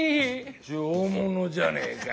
上物じゃねえか。